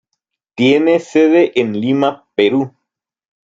Tiene sede en Lima, Perú.